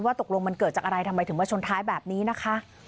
ตกลงมันเกิดจากอะไรทำไมถึงมาชนท้ายแบบนี้นะคะ